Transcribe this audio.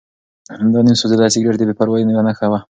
دا نیم سوځېدلی سګرټ د بې پروایۍ یوه نښه وه.